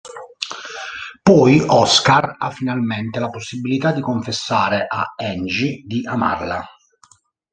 Poi Oscar ha finalmente la possibilità di confessare a Angie di amarla.